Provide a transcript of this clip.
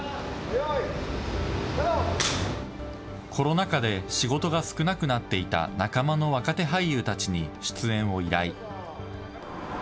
コロナ禍で仕事が少なくなっていた仲間の若手俳優たちに出演を依頼。